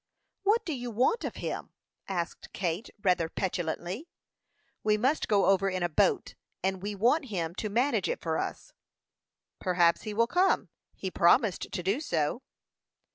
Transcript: "What do you want of him?" asked Kate, rather petulantly. "We must go over in a boat, and we want him to manage it for us." "Perhaps he will come; he promised to do so."